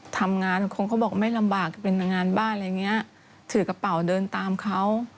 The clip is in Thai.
ทำงานคงเขาบอกไม่ลำบากเป็นงานบ้านอะไรอย่างเงี้ยถือกระเป๋าเดินตามเขา